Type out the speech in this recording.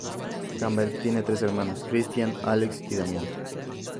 Campbell tiene tres hermanos: Christian, Alex, y Damian.